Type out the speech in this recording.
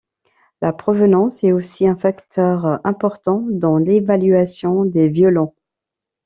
La provenance est aussi un facteur important dans l'évaluation des violons.